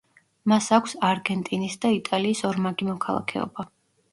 მას აქვს არგენტინის და იტალიის ორმაგი მოქალაქეობა.